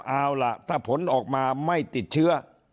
เอาล่ะถ้าผลออกมาไม่ติดเชื้อ